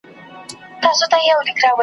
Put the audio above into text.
بس چي ژبه یې ګونګی وای چا یې ږغ نه اورېدلای .